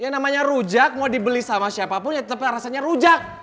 yang namanya rujak mau dibeli sama siapapun ya tapi rasanya rujak